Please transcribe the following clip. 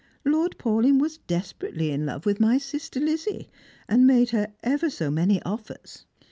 Lord Paulyn was desperately in love with my sister Lizzie, and made her ever so many otfers.